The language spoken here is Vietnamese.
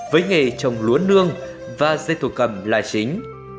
với nghề trồng lúa nương và dây thổ cầm là chính